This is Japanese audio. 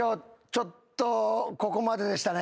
ちょっとここまででしたね。